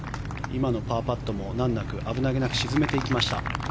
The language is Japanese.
今のパーパットも難なく危なげなく沈めていきました。